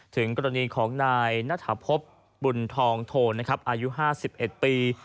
ถึงกรณีของนายณฐาพบบุญทองโทนอายุ๕๑ปี